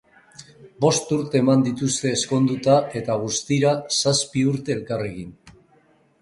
Bost urte eman dituzte ezkonduta eta guztira zazpi urte elkarrekin.